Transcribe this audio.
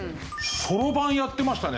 そろばんやってましたね。